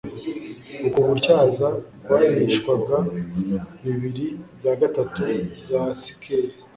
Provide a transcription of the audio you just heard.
uko gutyaza kwarihishwaga bibiri bya gatatu bya sikeli